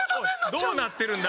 どうなってるんだ？